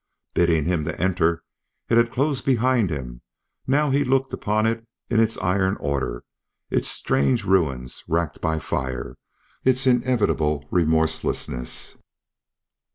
Bidding him enter, it had closed behind him; now he looked upon it in its iron order, its strange ruins racked by fire, its inevitable remorselessness.